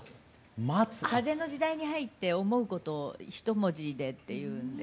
風の時代に入って思うことをひと文字でっていうんで。